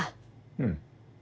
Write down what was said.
うん。